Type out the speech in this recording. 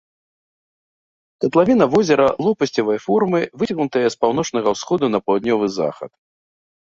Катлавіна возера лопасцевай формы, выцягнутая з паўночнага ўсходу на паўднёвы захад.